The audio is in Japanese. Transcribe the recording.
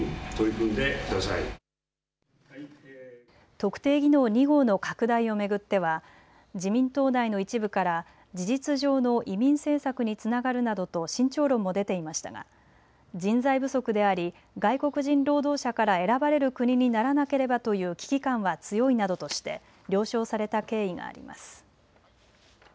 特定技能２号の拡大を巡っては自民党内の一部から事実上の移民政策につながるなどと慎重論も出ていましたが人材不足であり外国人労働者から選ばれる国にならなければという危機感は強いなどとして了承された経緯があります。